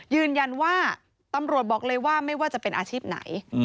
ยืนยันว่าตำรวจบอกเลยว่าไม่ว่าจะเป็นอาชีพไหน